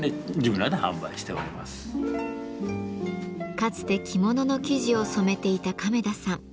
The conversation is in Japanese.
かつて着物の生地を染めていた亀田さん。